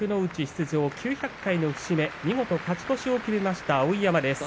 出場９００回の節目見事勝ち越しを決めました碧山です。